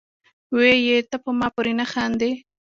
وې ئې " تۀ پۀ ما پورې نۀ خاندې،